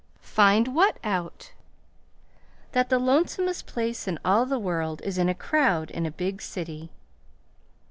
"Find what out?" "That the lonesomest place in all the world is in a crowd in a big city."